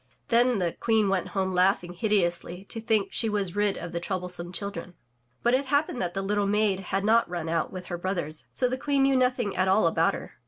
Then the Queen went home laughing hideously to think she was rid of the troublesome children. But it happened that the little maid had not mn out with her brothers, so the Queen knew nothing at all about her.